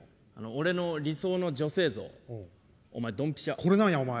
俺の理想の女性像お前ドンピシャ。